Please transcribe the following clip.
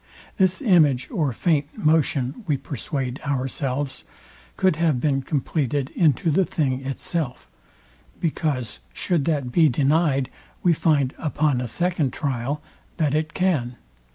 This image or faint motion, we persuade ourselves, could have been compleated into the thing itself; because, should that be denyed, we find, upon a second trial, that it can.